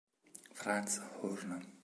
Franz Horn